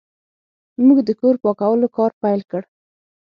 موږ د کور پاکولو کار پیل کړ.